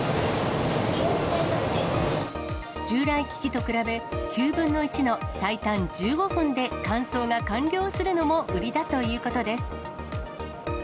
従来機器と比べ、９分の１の最短１５分で乾燥が完了するのも売りだということです。